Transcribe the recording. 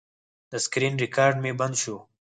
د سکرین ریکارډ مې بند شو.